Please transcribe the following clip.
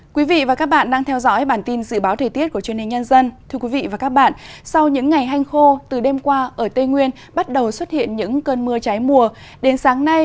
các bạn hãy đăng ký kênh để ủng hộ kênh của chúng mình nhé